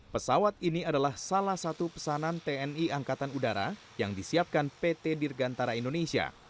pesawat ini adalah salah satu pesanan tni angkatan udara yang disiapkan pt dirgantara indonesia